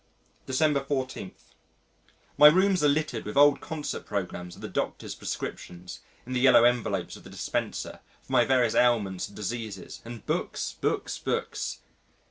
December 14. My rooms are littered with old concert programmes and the Doctor's prescriptions (in the yellow envelopes of the dispenser) for my various ailments and diseases, and books, books, books.